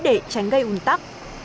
để tránh gây ủng tắc